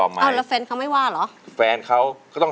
สวัสดีครับคุณหน่อย